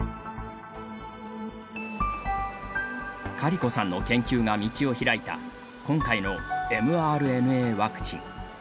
カリコさんの研究が道を開いた今回のｍＲＮＡワクチン。